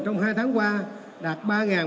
trong hai tháng qua đạt